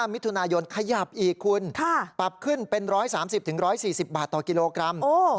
มิถุนายนขยับอีกคุณปรับขึ้นเป็น๑๓๐๑๔๐บาทต่อกิโลกรัม